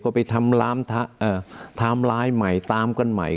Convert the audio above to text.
ก็ไปทำร้ายใหม่ตามกันใหม่